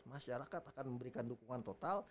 masyarakat akan memberikan dukungan total